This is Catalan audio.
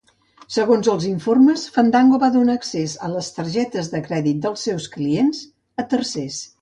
Segons els informes, Fandango va donar accés a les targetes de crèdit dels seus clients a tercers.